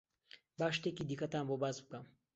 با شتێکی دیکەتان بۆ باس بکەم.